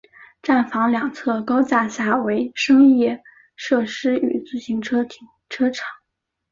站房两侧高架下为商业设施与自行车停车场。